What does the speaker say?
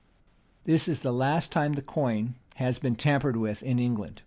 This is the last time that the coin has been tampered with in England.